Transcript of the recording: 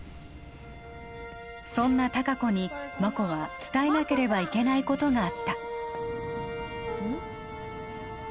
そんな隆子に真子は伝えなければいけないことがあったうん？